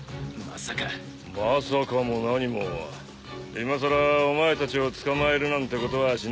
まさかも何もいまさらお前たちを捕まえるなんてことはしねえ。